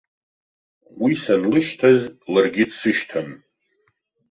Уи санлышьҭаз, ларгьы дсышьҭан.